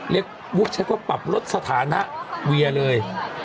เรียกปุ๊บเชี่ยวปรับลดสถานะเวียเลย